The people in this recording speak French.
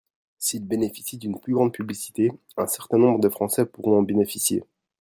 S’il bénéficie d’une plus grande publicité, un certain nombre de Français pourront en bénéficier.